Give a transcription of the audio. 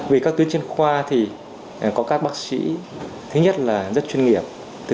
vì các tuyến chuyên khoa thì có các bác sĩ thứ nhất là rất chuyên nghiệp